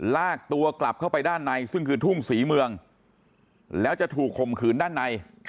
ลากตัวกลับเข้าไปด้านในซึ่งคือทุ่งศรีเมืองแล้วจะถูกข่มขืนด้านใน